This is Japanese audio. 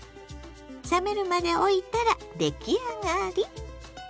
冷めるまでおいたら出来上がり。